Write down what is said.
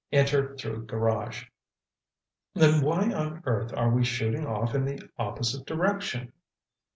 Enter through garage.'" "Then why on earth are we shooting off in the opposite direction?"